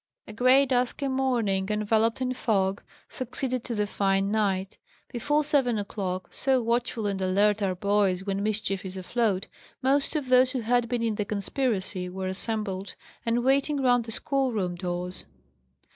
A grey dusky morning, enveloped in fog, succeeded to the fine night. Before seven o'clock so watchful and alert are boys when mischief is afloat most of those who had been in the conspiracy were assembled, and waiting round the schoolroom doors.